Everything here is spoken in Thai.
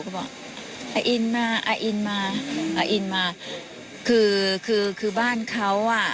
เขาบอกอาอินมาอาอินมาอาอินมาคือคือบ้านเขาอ่ะ